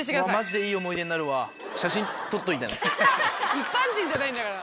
一般人じゃないんだから。